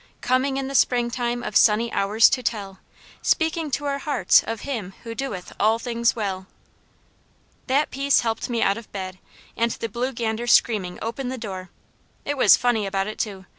Coming in the springtime of sunny hours to tell, Speaking to our hearts of Him who doeth all things well." That piece helped me out of bed, and the blue gander screaming opened the door. It was funny about it too.